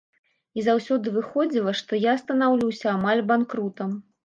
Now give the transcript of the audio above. І заўсёды выходзіла, што я станаўлюся амаль банкрутам.